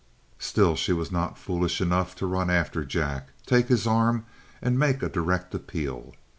Still, she was not foolish enough to run after Jack, take his arm, and make a direct appeal.